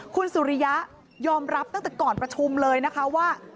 คุณสุริยะยอมรับตั้งแต่ก่อนประชุมเลยนะคะว่า